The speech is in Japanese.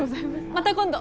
また今度！